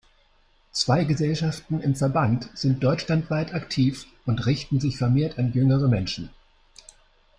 Zwei Gesellschaften im Verband sind deutschlandweit aktiv und richten sich vermehrt an jüngere Menschen.